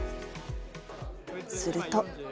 すると。